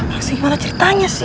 masih gimana ceritanya sih